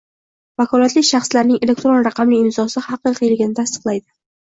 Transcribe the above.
vakolatli shaxslarining elektron raqamli imzosi haqiqiyligini tasdiqlaydi;